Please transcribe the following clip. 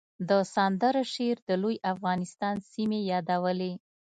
د سندرې شعر د لوی افغانستان سیمې یادولې